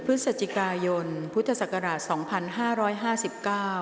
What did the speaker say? พฤศจิกายนพุทธศักราชสองพันห้าร้อยห้าสิบเก้า